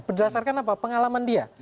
berdasarkan apa pengalaman dia